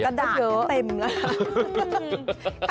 กระดาษให้เต็มเลยค่ะ